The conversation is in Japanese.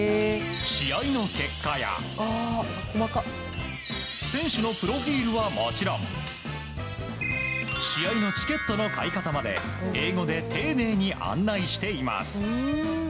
試合の結果や選手のプロフィールはもちろん試合のチケットの買い方まで英語で丁寧に案内しています。